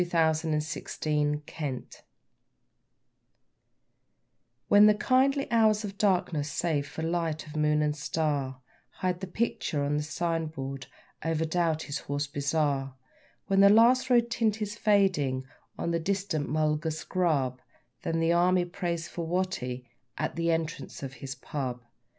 When the 'Army' Prays for Watty When the kindly hours of darkness, save for light of moon and star, Hide the picture on the signboard over Doughty's Horse Bazaar; When the last rose tint is fading on the distant mulga scrub, Then the Army prays for Watty at the entrance of his pub.